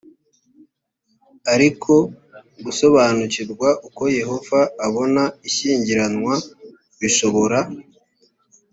ariko gusobanukirwa uko yehova abona ishyingiranwa bishobora